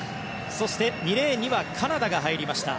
そして、２レーンにはカナダが入りました。